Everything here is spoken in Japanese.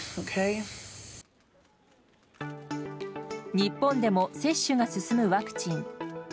日本でも接種が進むワクチン。